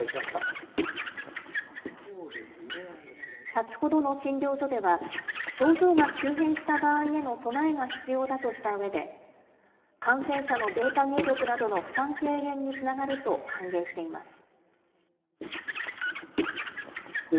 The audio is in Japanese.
先ほどの診療所では、症状が急変した場合への備えが必要だとしたうえで、感染者のデータ入力などの負担軽減につながると歓迎しています。